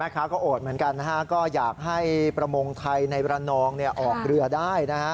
ก็โอดเหมือนกันก็อยากให้ประมงไทยในระนองออกเรือได้